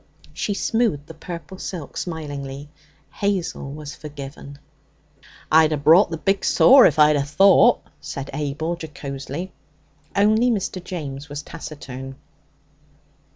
She smoothed the purple silk smilingly. Hazel was forgiven. 'I'd a brought the big saw if I'd 'a thought,' said Abel jocosely. Only Mr. James was taciturn.